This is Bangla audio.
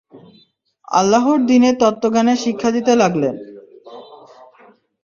আল্লাহর দ্বীনের তত্ত্বজ্ঞানের শিক্ষা দিতে লাগলেন।